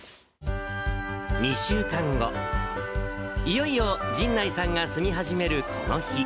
２週間後、いよいよ神内さんが住み始めるこの日。